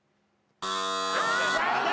残念！